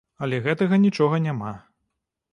Але гэтага нічога няма.